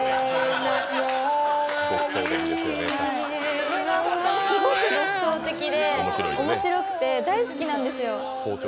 このネタがすごく独創的で面白くて大好きなんですよ。